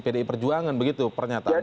pdi perjuangan begitu pernyataan